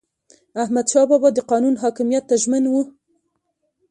احمدشاه بابا د قانون حاکمیت ته ژمن و.